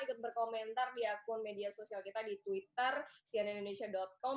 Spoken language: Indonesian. ikut berkomentar di akun media sosial kita di twitter cnnindonesia com